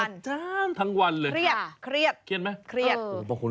อันต่างทั้งวันเลย